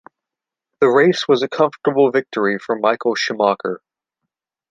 The race was a comfortable victory for Michael Schumacher.